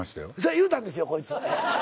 言うたんですよこいつ。